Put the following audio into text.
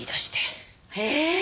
へえ！